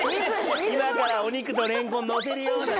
今からお肉とれんこんのせるよって。